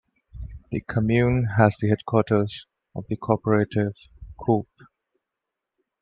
The commune has the headquarters of the cooperative Coop.